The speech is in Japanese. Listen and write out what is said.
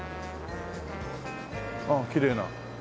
ああきれいな。